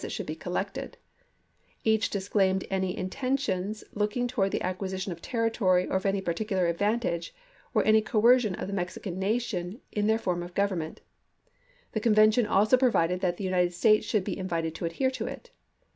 it should be collected ; each disclaimed any inten tions looking toward the acquisition of territory or of any particular advantage, or any coercion of the Mexican nation in theii form of government ; the convention also provided that the United States should be invited to adhere to it.